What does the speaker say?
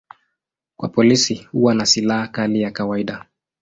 Kwa polisi huwa ni silaha kali ya kawaida.